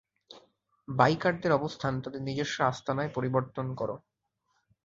বাইকারদের অবস্থান তাদের নিজস্ব আস্তানায় পরিবর্ত কর।